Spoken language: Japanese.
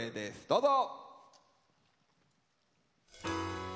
どうぞ。